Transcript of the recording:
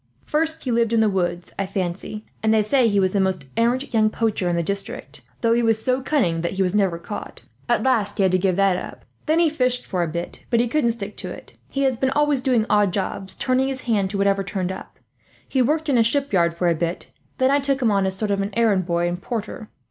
First he lived in the woods, I fancy; and they say he was the most arrant young poacher in the district, though he was so cunning that he was never caught. At last he had to give that up. Then he fished for a bit, but he couldn't stick to it. He has been always doing odd jobs, turning his hand to whatever turned up. He worked in a shipyard for a bit, then I took him as a sort of errand boy and porter.